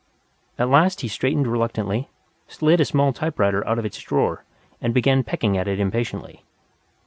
At last he straightened reluctantly, slid a small typewriter out of its drawer, and began pecking at it impatiently.